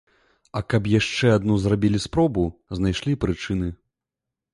А каб яшчэ адну зрабілі спробу, знайшлі прычыны.